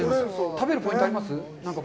食べるポイントはありますか？